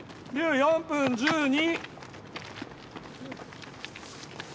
４分１２！